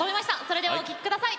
それではお聴き下さい。